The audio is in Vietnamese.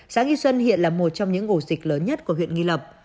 xã nghi xuân hiện là một trong những ổ dịch lớn nhất của huyện nghi lộc